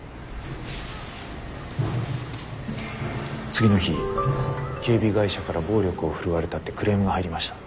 次の日警備会社から暴力を振るわれたってクレームが入りました。